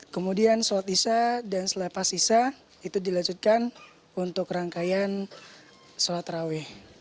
kemudian sholat isya dan selepas sisa itu dilanjutkan untuk rangkaian sholat raweh